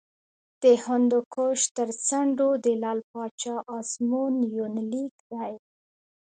د هندوکش تر څنډو د لعل پاچا ازمون یونلیک دی